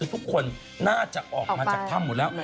ทุกคนน่าจะออกมาจากถ้ำหมดแล้ว